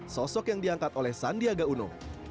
sosok yang diangkat oleh sandiaga uno